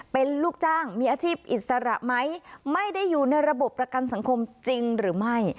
เป็นลูกจ้างมีอาชีพอิสระไหมไม่ได้อยู่ในระบบประกันสังคมจริงหรือไม่